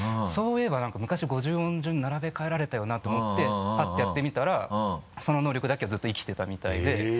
そういえば何か昔５０音順に並べ替えられたよなと思ってパッてやってみたらその能力だけはずっと生きてたみたいで。